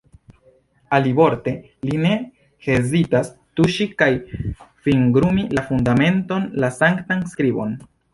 Alivorte, li ne hezitas tuŝi kaj fingrumi la fundamenton, la sanktan skribon.